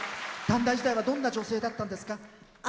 短大時代はどんな女性だったんですか？